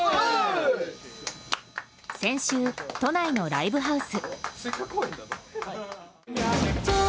先週、都内のライブハウス。